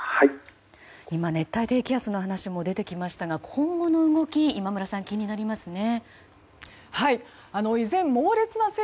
今、熱帯低気圧の話も出てきましたが、今後の動きが今村さん、気になりますね。